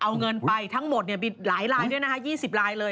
เอาเงินไปทั้งหมดมีหลายลายด้วยนะคะ๒๐ลายเลย